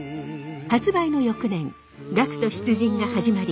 発売の翌年学徒出陣が始まり